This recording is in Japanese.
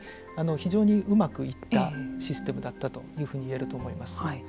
非常にうまくいったシステムだったというふうに言えると思います。